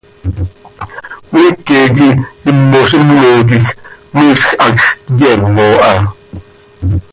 Cmiique quih immozime quij miizj hacx cyeeno ha.